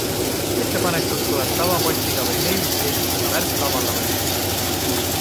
Ettepanekud tuleb tavapostiga või meilitsi esitada Värska vallavalitsusele.